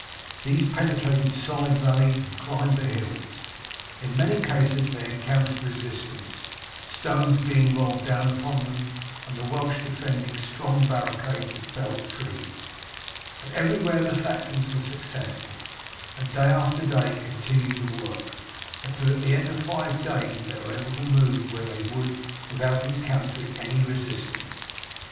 These penetrated side valleys and climbed the hills. In many cases they encountered resistance, stones being rolled down upon them, and the Welsh defending strong barricades of felled trees. But everywhere the Saxons were successful, and day after day continued the work, until at the end of five days they were able to move where they would without encountering any resistance.